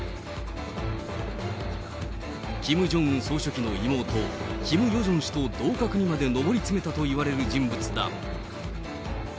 総書記の妹、キム・ヨジョン氏と同格にまで上り詰めたといわれる人物だ。